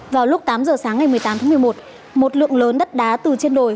vào lúc tám giờ sáng ngày một mươi tám tháng một mươi một một lượng lớn đất đá từ trên đồi